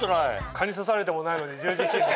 蚊に刺されてもないのに十字に切るの？